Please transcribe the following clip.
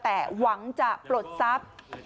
แต่หวังจะปลดซับ